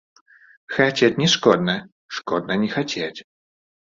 Хацець не шкодна, шкодна не хацець.